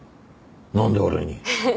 何で俺に？